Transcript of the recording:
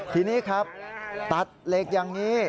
ทีนี้ครับตัดเหล็กอย่างนี้